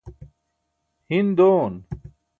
hin doon